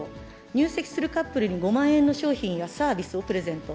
入籍するカップルに５万円の商品やサービスをプレゼント。